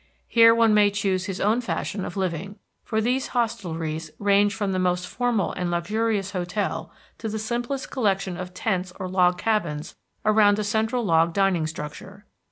Here one may choose his own fashion of living, for these hostelries range from the most formal and luxurious hotel to the simplest collection of tents or log cabins around a central log dining structure.